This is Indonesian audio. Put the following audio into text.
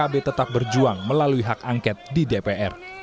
jangan lupa untuk berjuang melalui hak angket di dpr